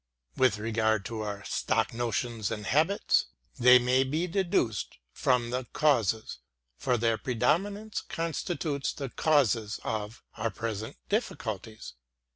With regard to our " stock notions and habits," they may be deduced from the causes, for their predominance constitutes the causes of " our present difficulties."